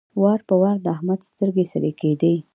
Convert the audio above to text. وار په وار د احمد سترګې سرې کېدې.